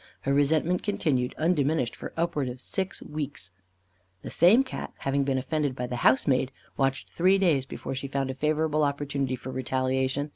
Her resentment continued, undiminished, for upwards of six weeks. The same Cat, having been offended by the housemaid, watched three days before she found a favourable opportunity for retaliation.